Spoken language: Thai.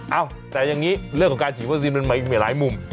เอ้าแต่อย่างนี้เรื่องของการฉีดวัคซีนมันมีหลายมุม